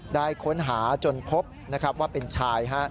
ได้ค้นหาจนพบว่าเป็นชาย